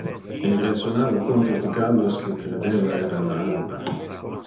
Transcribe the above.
E resonava contos de gallos que credeva era le alba.